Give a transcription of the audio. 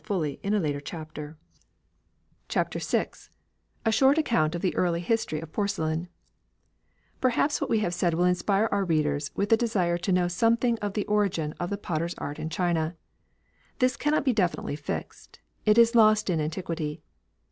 ] VI EARLY HISTORY OF PORCELAIN CHAPTER VI A SHORT ACCOUNT OF THE EARLY HISTORY OF PORCELAIN Perhaps what we have said will inspire our readers with the desire to know something of the origin of the potter's art in China. This cannot be definitely fixed. It is lost in antiquity.